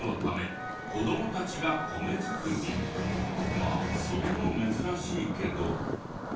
まあそれも珍しいけど。